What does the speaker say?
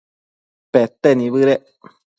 pete nibëdec